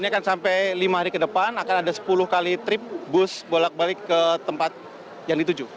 ini akan sampai lima hari ke depan akan ada sepuluh kali trip bus bolak balik ke tempat yang dituju